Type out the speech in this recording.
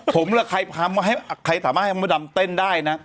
ผมล่ะใครทำให้ใครสามารถให้มดดำเต้นได้นะ